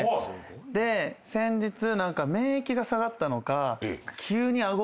で先日免疫が下がったのか。